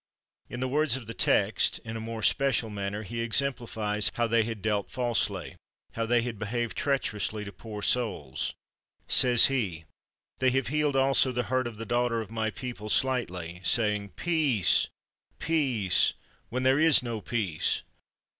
In the words of the text, in a more special manner, he exemplifies how they had dealt falsely, how they had behaved treacherously to poor souls: says he, "They have healed also the hurt of the daughter of my people slightly, saying, Peace, peace, when there is no peace."